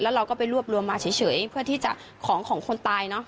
เราก็ไปรวบรวมมาเฉยเพื่อที่จะของของคนตายเนอะ